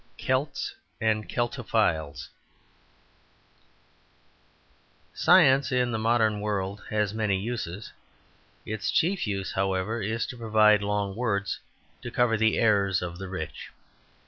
Celts and Celtophiles Science in the modern world has many uses; its chief use, however, is to provide long words to cover the errors of the rich.